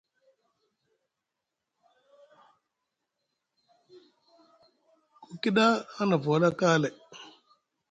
Ku kida aŋ nava wala kaalay.